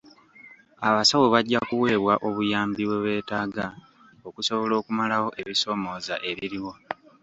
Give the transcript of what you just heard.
Abasawo bajja kuweebwa obuyambi bwe beetaaga okusobola okumalawo ebisoomooza ebiriwo.